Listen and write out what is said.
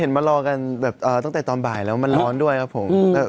มารอกันแบบตั้งแต่ตอนบ่ายแล้วมันร้อนด้วยครับผม